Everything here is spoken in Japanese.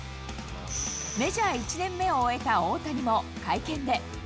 メジャー１年目を終えた大谷も会見で。